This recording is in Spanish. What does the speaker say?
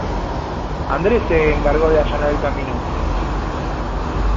Andrés se encargó de allanar el camino.